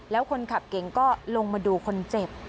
แล้วคนขับเก่งก็ลงมาดูคนเจ็บ